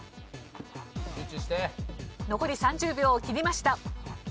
残り３０秒を切りました。